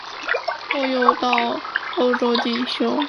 后又到欧洲进修。